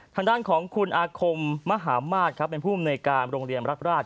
ทางด้านของคุณอาคมมหมาศเป็นผู้มนุยการโรงเรียนรัฐ